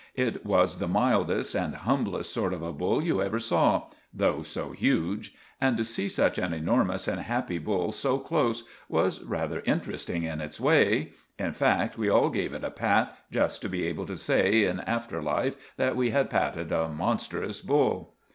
It was the mildest and humblest sort of a bull you ever saw, though so huge; and to see such an enormous and happy bull so close was rather interesting in its way. In fact, we all gave it a pat, just to be able to say in after life that we had patted a monstrous bull.